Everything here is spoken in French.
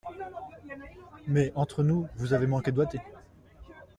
Mais, entre nous, vous avez manqué de doigté.